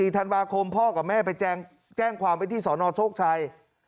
ธันวาคมพ่อกับแม่ไปแจ้งความไว้ที่สนโชคชัย